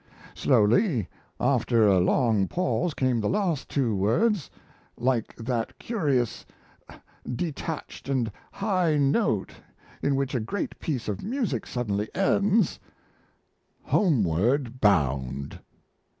Slowly, after a long pause, came the last two words like that curious, detached and high note in which a great piece of music suddenly ends 'Homeward bound.'